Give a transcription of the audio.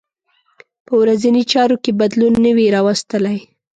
په ورځنۍ چارو کې بدلون نه وي راوستلی.